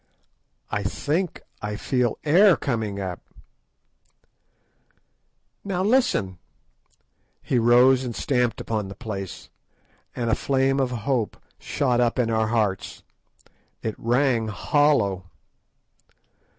"I think I feel air coming up." "Now listen." He rose and stamped upon the place, and a flame of hope shot up in our hearts. _It rang hollow.